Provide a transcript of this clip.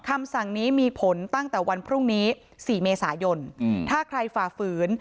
คำสั่งนี้มีผลตั้งแต่วันพรุ่งนี้๔เมษายนถ้าใครฝ่าฝืน